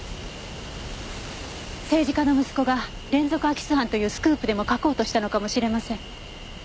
政治家の息子が連続空き巣犯というスクープでも書こうとしたのかもしれません。